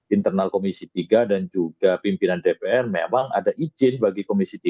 internal komisi tiga dan juga pimpinan dpr memang ada izin bagi komisi tiga